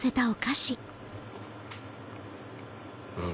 うん！